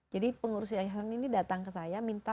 jadi pengurus siayasan ini datang ke saya minta